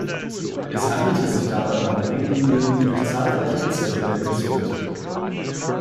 Es handelte sich dabei um eine Ringlinie, die durch zahlreiche Bezirke Berlins führte.